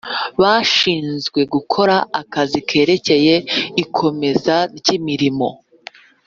Bashinzwe gukora akazi kerekeye ikomeza ry imirimo